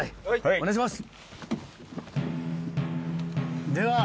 お願いします。